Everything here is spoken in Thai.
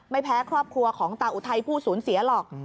ไม่แพ้ครอบครัวของตาอุทัยผู้สูญเสียหรอก